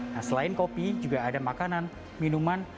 nah selain kopi juga ada makanan minuman